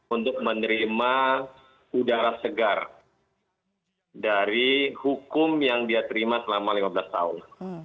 untuk menerima udara segar dari hukum yang dia terima selama lima belas tahun